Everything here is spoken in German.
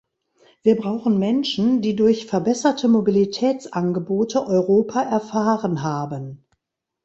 Wir brauchen Menschen, die durch verbesserte Mobilitätsangebote Europa erfahren haben.